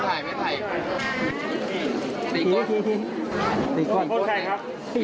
ออกได้แล้วมันชันทนไล่